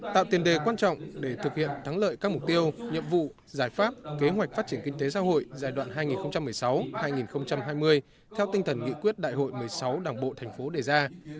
tạo tiền đề quan trọng để thực hiện thắng lợi các mục tiêu nhiệm vụ giải pháp kế hoạch phát triển kinh tế xã hội giai đoạn hai nghìn một mươi sáu hai nghìn hai mươi theo tinh thần nghị quyết đại hội một mươi sáu đảng bộ thành phố đề ra